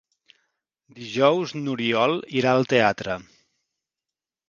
Dijous n'Oriol irà al teatre.